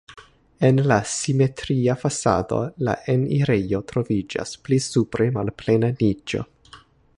En la simetria fasado la enirejo troviĝas, pli supre malplena niĉo.